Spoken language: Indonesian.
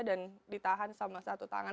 dan ditahan sama satu tangan